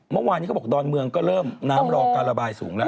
เมื่อวานนี้เขาบอกดอนเมืองก็เริ่มน้ำรอการระบายสูงแล้ว